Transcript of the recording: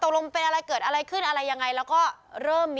อ้าวฝาดกันแล้ว